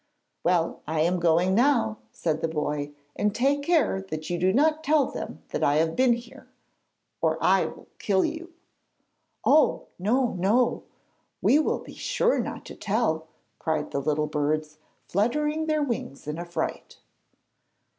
'Well, I am going now,' said the boy, 'and take care that you do not tell them that I have been here, or I will kill you.' 'Oh, no, no! We will be sure not to tell,' cried the little birds, fluttering their wings in a fright.